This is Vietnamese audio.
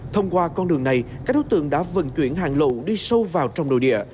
thông qua con đường này các đối tượng đã vận chuyển hàng lậu đi sâu vào trong nội địa